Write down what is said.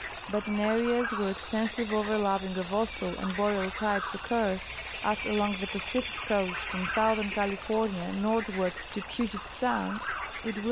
But in areas where extensive over lapping of Austral and Boreal types occurs, as along the Pacific coast from southern California northward to Puget sound, it will